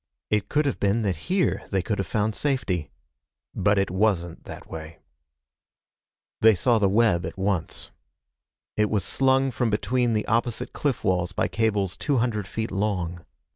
It could have been that here they could have found safety. But it wasn't that way. They saw the web at once. It was slung from between the opposite cliff walls by cables two hundred feet long.